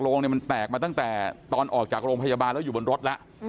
โรงเนี่ยมันแตกมาตั้งแต่ตอนออกจากโรงพยาบาลแล้วอยู่บนรถแล้ว